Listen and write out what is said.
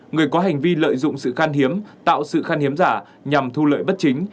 một mươi bốn người có hành vi lợi dụng sự khăn hiếm tạo sự khăn hiếm giả nhằm thu lợi bất chính